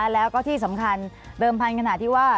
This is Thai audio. แล้วก็ที่สำคัญเดิมพันธขณะที่ว่า